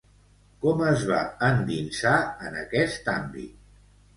Com es va endinsar en aquest àmbit?